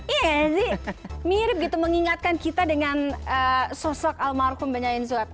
iya sih mirip gitu mengingatkan kita dengan sosok almarhum benyain suap